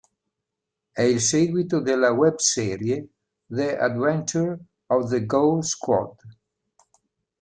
È il seguito della webserie "The Adventure of the Ghoul Squad".